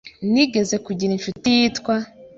Nigeze kugira inshuti yitwa .